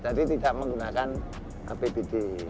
jadi tidak menggunakan pbbd